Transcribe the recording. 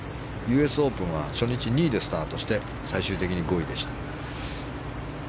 ＵＳオープンは初日２位でスタートして最終的に５位でした。